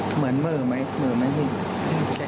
เหมือนมือมั้ย